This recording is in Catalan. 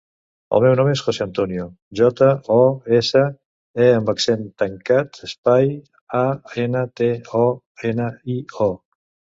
El meu nom és José antonio: jota, o, essa, e amb accent tancat, espai, a, ena, te, o, ena, i, o.